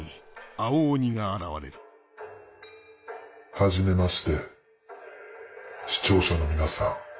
はじめまして視聴者の皆さん。